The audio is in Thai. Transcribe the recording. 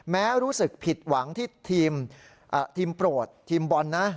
รู้สึกผิดหวังที่ทีมโปรดทีมบอลนะ